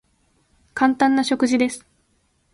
簡単な食事です。